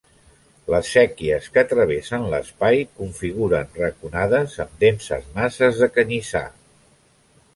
Les séquies que travessen l'espai configuren raconades amb denses masses de canyissar.